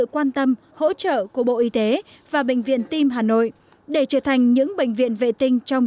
sự quan tâm hỗ trợ của bộ y tế và bệnh viện tim hà nội để trở thành những bệnh viện vệ tinh trong